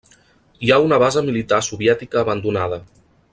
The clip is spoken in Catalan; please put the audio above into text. Hi ha una base militar soviètica abandonada.